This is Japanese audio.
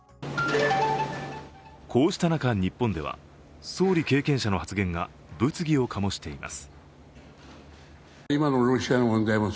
こうした中、日本では総理経験者の発言が物議を醸しています。